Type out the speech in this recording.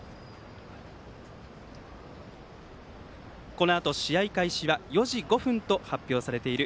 このあと試合開始は４時５分と発表されている